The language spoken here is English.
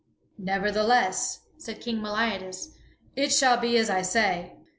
"Nevertheless," said King Meliadus, "it shall be as I say."